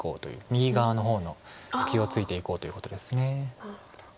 右側の方の隙をついていこうということです。